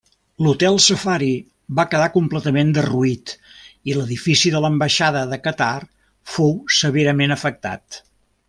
L'Hotel Safari va quedar completament derruït i l'edifici de l'ambaixada de Qatar fou severament afectat.